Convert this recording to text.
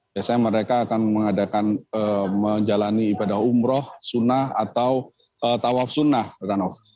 biasanya mereka akan mengadakan menjalani ibadah umroh sunnah atau tawaf sunnah heranov